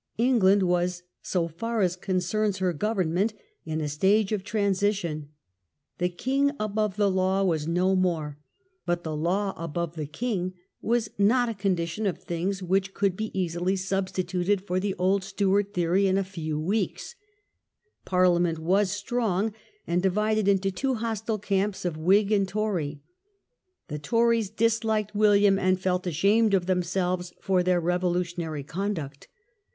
England was, so far ^ concerns her government, in a stage of transition. The "king Chan es in ^t)ove the law " was no more. But the " law the EngHsh abovc the king " was not a condition of things constitution. ^^^^^ ^^^j^ ^^ ^^gjjy Substituted for the old Stewart theory in a few weeks. Parliament was strong, and divided into two hostile camps of Whig and Tory. The Tories disliked William and felt ashamed of themselves for their revolutionary conduct.